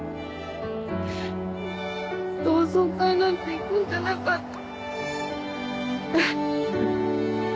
同窓会なんて行くんじゃなかった。